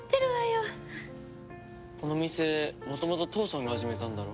この店元々父さんが始めたんだろ？